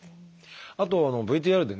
あとＶＴＲでね